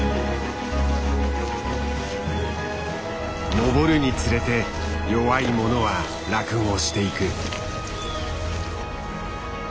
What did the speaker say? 登るにつれて弱いものは落後していく。